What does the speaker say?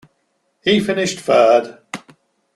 He finished third.